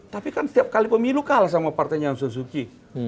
tapi kan setiap kali pemilu kalah sama partainya aung san suu kyi